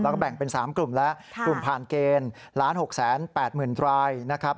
แล้วก็แบ่งเป็น๓กลุ่มแล้วกลุ่มผ่านเกณฑ์๑๖๘๐๐๐รายนะครับ